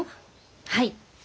はい。